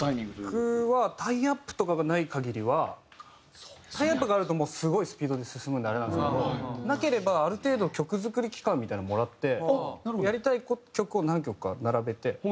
僕はタイアップとかがない限りはタイアップがあるともうすごいスピードで進むんであれなんですけどなければある程度曲作り期間みたいなのもらってやりたい曲を何曲か並べて。